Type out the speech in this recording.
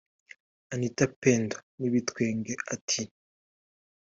Anita Pendo n’ibitwenge ati